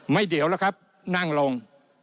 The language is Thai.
เดียวแล้วครับนั่งลง